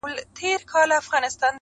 نور به د پانوس له رنګینیه ګیله نه کوم!.